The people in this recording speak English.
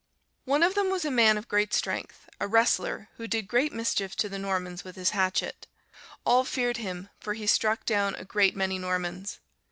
"One of them was a man of great strength, a wrestler, who did great mischief to the Normans with his hatchet; all feared him, for he struck down a great many Normans.